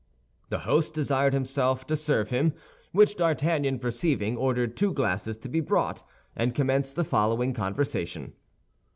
The host desired himself to serve him; which D'Artagnan perceiving, ordered two glasses to be brought, and commenced the following conversation.